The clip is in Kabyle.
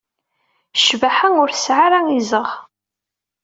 Ccbaḥa ur tesɛi ara izeɣ.